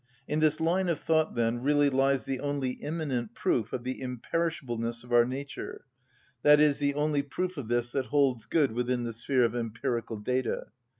In this line of thought, then, really lies the only immanent proof of the imperishableness of our nature, i.e., the only proof of this that holds good within the sphere of empirical data.